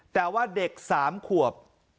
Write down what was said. แต่ว่าเด็ก๓ขวบ